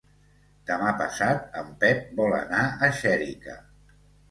Demà passat en Pep vol anar a Xèrica.